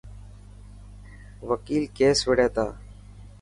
وڪيل ڪيس وڙي تا.